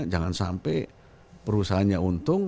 jangan sampai perusahaannya untung